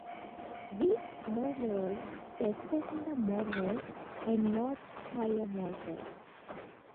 These models were Fender models and not Squier models.